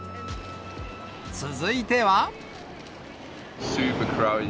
続いては。